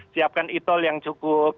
siapkan e tol yang cukup